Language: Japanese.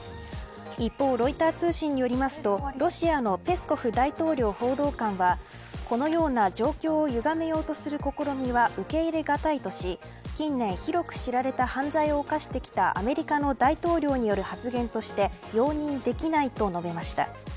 一方、ロイター通信によりますとロシアのペスコフ大統領報道官はこのような状況をゆがめようとする試みは受け入れがたいとし近年広く知られた犯罪を犯してきたアメリカの大統領による発言として容認できないと述べました。